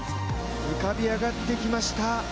浮かび上がってきました。